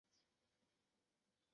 জন তাকে থামাতে পারলেন না।